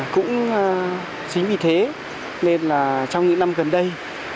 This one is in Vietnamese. cũng chính vì thế nên là trong những năm gần đây